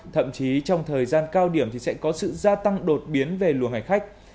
thậm chí trong thời gian cao điểm thì sẽ có sự gia tăng đột biến về lùa ngày khách